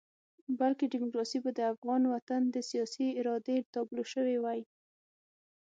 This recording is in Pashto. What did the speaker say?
بلکې ډیموکراسي به د افغان وطن د سیاسي ارادې تابلو شوې وای.